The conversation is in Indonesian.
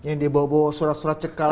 yang dibawa bawa surat surat cekal